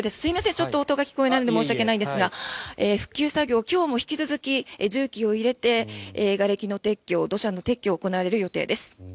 ちょっと音が聞こえないので申し訳なんですが復旧作業は今日も引き続き重機を入れて、がれきの撤去土砂の撤去が行われる予定です。